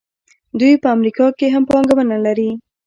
دوی په امریکا کې هم پانګونه لري.